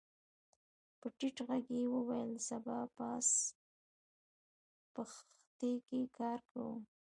په ټيټ غږ يې وويل سبا پاس پښتې کې کار کوو.